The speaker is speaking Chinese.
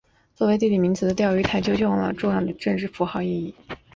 作为地理名词的钓鱼台就具有了重要的政治符号意义。